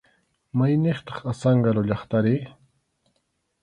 ¿Mayniqtaq Azángaro llaqtari?